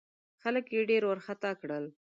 خلک یې ډېر وارخطا کړل.